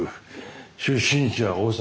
出身地は大阪。